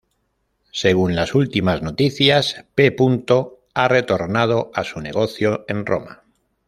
Según las últimas noticias P. ha retornado a su negocio en Roma.